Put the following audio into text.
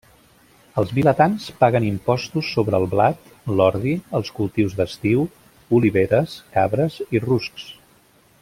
Els vilatans paguen impostos sobre el blat, l'ordi, els cultius d'estiu, oliveres, cabres i ruscs.